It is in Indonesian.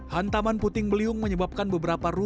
hantaman puting beliung menyebabkan beberapa rumah